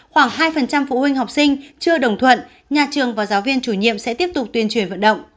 khoảng hai phụ huynh học sinh chưa đồng thuận nhà trường và giáo viên chủ nhiệm sẽ tiếp tục tuyên truyền vận động